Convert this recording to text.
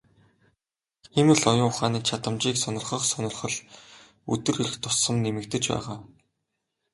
Хиймэл оюун ухааны чадамжийг сонирхох сонирхол өдөр ирэх тусам нэмэгдэж байгаа.